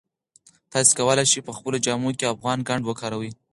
تاسي کولای شئ په خپلو جامو کې افغاني ګنډ وکاروئ.